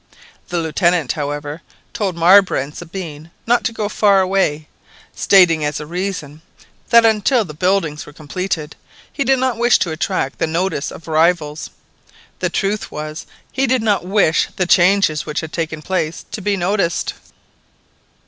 The Lieutenant, however, told Marbre and Sabine not to go far away, stating as a reason, that until the buildings were completed he did not wish to attract the notice of rivals. The truth was, he did not wish the changes which had taken place to be noticed.